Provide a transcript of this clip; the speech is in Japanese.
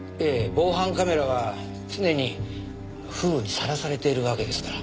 防犯カメラは常に風雨にさらされているわけですから。